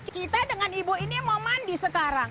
kita dengan ibu ini mau mandi sekarang